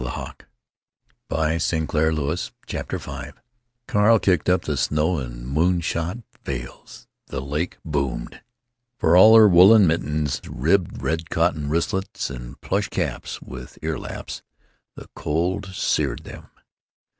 Something big to tell you." CHAPTER V arl kicked up the snow in moon shot veils. The lake boomed. For all their woolen mittens, ribbed red cotton wristlets, and plush caps with ear laps, the cold seared them.